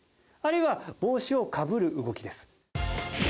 あるいは帽子をかぶる動きです。